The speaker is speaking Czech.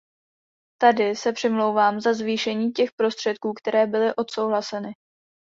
Tady se přimlouvám za zvýšení těch prostředků, které byly odsouhlaseny.